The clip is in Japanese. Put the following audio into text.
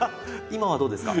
今はどうですか？